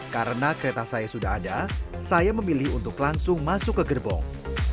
karena kereta saya sudah ada saya memilih untuk langsung masuk ke gerbong